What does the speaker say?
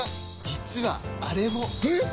実はあれも！え！？